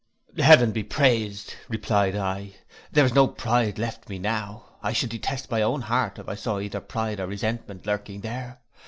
'Heaven be praised,' replied I, 'there is no pride left me now, I should detest my own heart if I saw either pride or resentment lurking there.